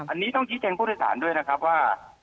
อันนี้ต้องคิดแจ้งพุทธศาลด้วยนะครับว่า